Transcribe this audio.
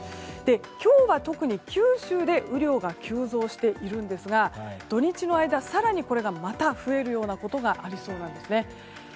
今日は特に九州で雨量が急増しているんですが土日の間、更にまた増えるようなことがありそうなんです。